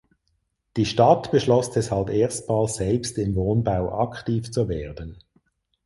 Die Stadt beschloss deshalb erstmals selbst im Wohnbau aktiv zu werden.